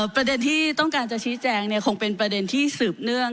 ประเด็นที่ต้องการจะชี้แจงคงเป็นประเด็นที่สืบเนื่อง